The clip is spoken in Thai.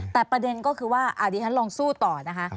แต่ประเด็นก็คือว่าดิฉันลองสู้ต่อนะคะ